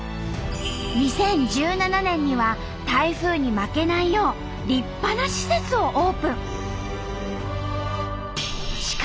２０１７年には台風に負けないよう立派な施設をオープン。